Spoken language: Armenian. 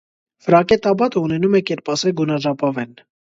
Ֆրակե տաբատը ունենում է կերպասե գունաժապավեն։